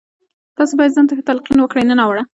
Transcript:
تاسې بايد ځان ته ښه تلقين وکړئ نه ناوړه.